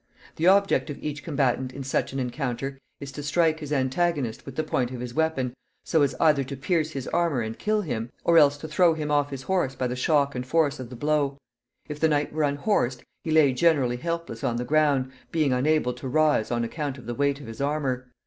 The object of each combatant in such an encounter is to strike his antagonist with the point of his weapon so as either to pierce his armor and kill him, or else to throw him off his horse by the shock and force of the blow. If a knight were unhorsed, he lay generally helpless on the ground, being unable to rise on account of the weight of his armor.